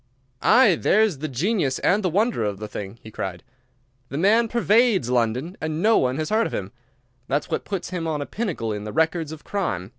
"Aye, there's the genius and the wonder of the thing!" he cried. "The man pervades London, and no one has heard of him. That's what puts him on a pinnacle in the records of crime.